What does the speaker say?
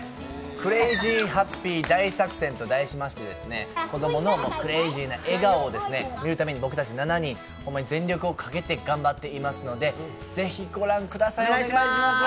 クレイジーハッピー大作戦と題しまして、子供のクレイジーな笑顔を見るために僕たち７人、ホンマに全力をかけて頑張っていますので是非、ご覧ください！